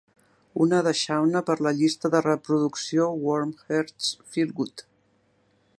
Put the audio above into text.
Una de Shawnna per la llista de reproducció Warm Hearts Feel Good.